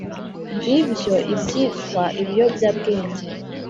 ngibyo ibyitwa ibiyobyabwenge.